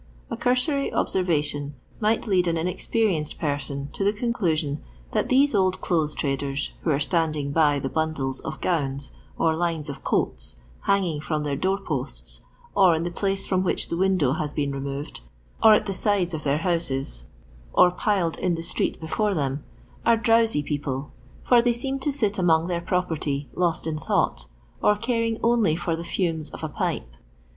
A cursory observation might lead an inexpe rienced person to the conclusion, that these old clothes traders who arc standing by the bundles of gowns, or lines of coats, hanging from their door posts, or in the place from which the window has been removed, or at the sides of their houses, or LONDON LABOUR AND THB LONDON POOR. 87 inled in the street before them, are drowsy people, for they aeem to tit among |their property, lost in thought, or caring only for the fames of a pipe.